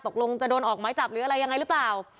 ตกลงจะโดนออกไม้จับหรืออะไรยังไงหรือเปล่า